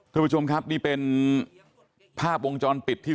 เพื่อประชวมครับนี่เป็นผ้าวงจรปิดที่